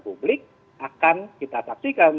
publik akan kita saksikan